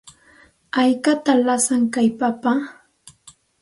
¿Haykataq lasan kay papa?